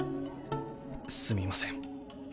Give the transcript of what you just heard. すみません。